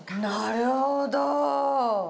なるほど。